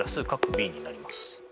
ｂになります。